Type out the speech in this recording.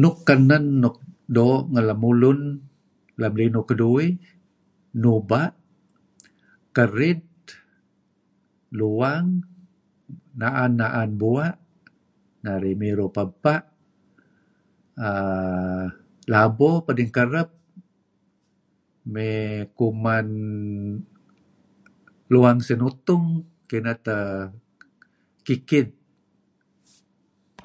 Nukl kenen nuk doo' ngen lemulun lem linuh keduih nuba', kerid, luwang, na'an-na'an bua', narih mirup ebpa' err labo pedenkereb, mey kuman luwang senutung, kineh teh kikid.